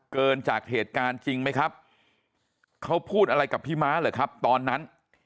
เกินจากเหตุการณ์จริงไหมครับเขาพูดอะไรกับพี่ม้าเหรอครับตอนนั้น